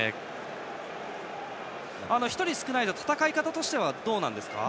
１人少ないと戦い方としてはどうなんでしょうか。